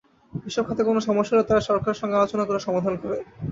এসব খাতে কোনো সমস্যা হলে তারা সরকারের সঙ্গে আলোচনা করে সমাধান করে।